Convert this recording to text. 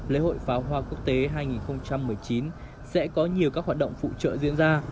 lễ hội pháo hoa quốc tế hai nghìn một mươi chín sẽ có nhiều các hoạt động phụ trợ diễn ra